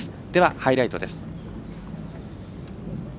ハイライトです。